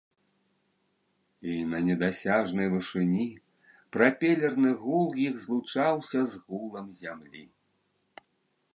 І на недасяжнай вышыні прапелерны гул іх злучаўся з гулам зямлі.